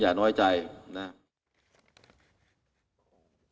นายยกรัฐมนตรีพบกับทัพนักกีฬาที่กลับมาจากโอลิมปิก๒๐๑๖